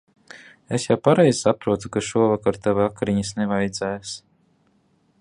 Es jau pareizi saprotu, ka šovakar tev vakariņas nevajadzēs?